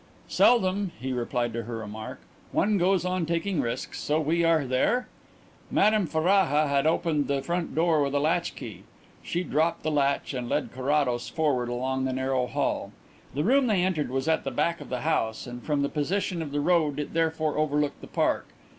"Seldom," he replied to her remark. "One goes on taking risks. So we are there?" Madame Ferraja had opened the front door with a latchkey. She dropped the latch and led Carrados forward along the narrow hall. The room they entered was at the back of the house, and from the position of the road it therefore overlooked the park.